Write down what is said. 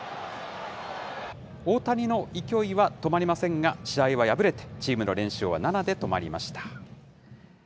大谷の勢いは止まりませんが、試合は敗れて、チームの連勝は７で止まりました。